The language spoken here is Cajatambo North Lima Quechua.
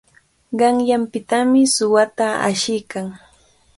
Qanyanpitami suwata ashiykan.